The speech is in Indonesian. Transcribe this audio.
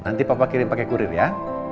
nanti papa kirim pakai kurir ya